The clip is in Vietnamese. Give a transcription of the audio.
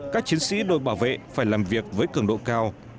các chiến sĩ đội bảo vệ phải làm việc với cường độ cao